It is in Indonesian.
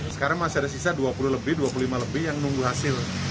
sekarang masih ada sisa dua puluh lebih dua puluh lima lebih yang nunggu hasil